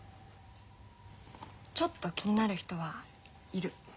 ちょっと気になる人はいる。